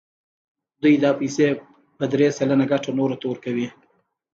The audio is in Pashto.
دوی دا پیسې په درې سلنه ګټه نورو ته ورکوي